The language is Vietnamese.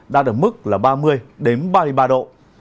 đạt ở mức là ba mươi đến ba mươi ba độ